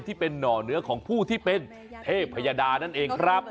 ที่เป็นหน่อเนื้อของผู้ที่เป็นเทพยดานั่นเองครับ